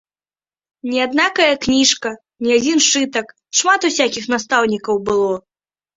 Не аднакая кніжка, не адзін сшытак, шмат усякіх настаўнікаў было.